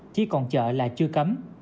chí còn chợ là chưa cấm